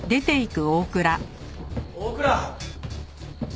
大倉！